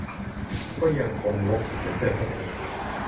ก็ยังคงรกอยู่เหมือนเดิมนั่นเอง